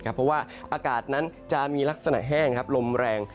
เพราะว่าอากาศนั้นจะมีลักษณะแห้งลมแรง